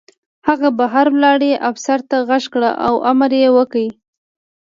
هغه بهر ولاړ افسر ته غږ کړ او امر یې وکړ